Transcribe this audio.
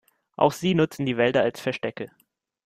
Auch sie nutzen die Wälder als Verstecke.